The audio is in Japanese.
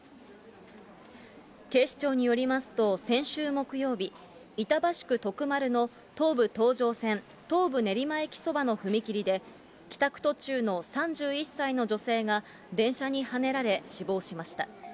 警視庁によりますと、先週木曜日、板橋区徳丸の東武東上線東武練馬駅そばの踏切で、帰宅途中の３１歳の女性が電車にはねられ、死亡しました。